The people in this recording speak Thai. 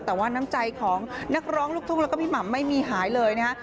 แต่ว่าน้ำใจของนักร้องลูกทุ่งแล้วก็พี่หม่ำไม่มีหายเลยนะฮะ